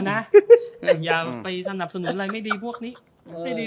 ง่ายอยากไปสอนับสนุนไว้ไม่ดีพวกนี้